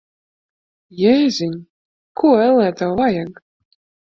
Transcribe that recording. Jēziņ! Ko, ellē, tev vajag?